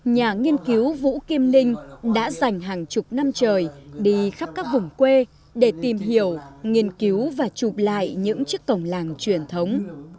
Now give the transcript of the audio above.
nhà nghiên cứu vũ kim linh đã dành hàng chục năm trời đi khắp các vùng quê để tìm hiểu nghiên cứu và chụp lại những chiếc cổng làng truyền thống